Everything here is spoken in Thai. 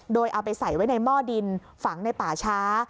โดยเอาไปใส่ไว้ในหม้อดินฝังในป่าช้า